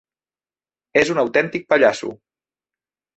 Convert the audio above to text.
És un autèntic pallasso.